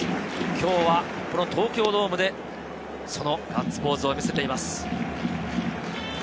今日はこの東京ドームでそのガッツポーズを見せています。